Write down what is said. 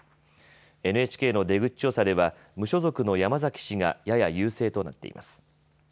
ＮＨＫの出口調査では無所属の山崎氏がやや優勢となっています。